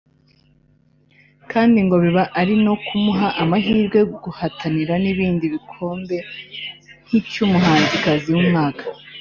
kandi ngo biba ari no kumuha amahirwe guhatanira n’ibindi bikombe nk’icyumuhanzikazi w’umwaka